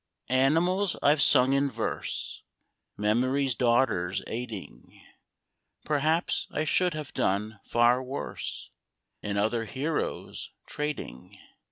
Animals I've sung in verse, Memory's daughters aiding; Perhaps I should have done far worse, In other heroes trading.